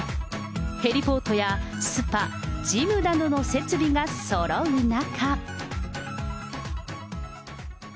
ヘリポートやスパ、ジムなどの設備がそろう中。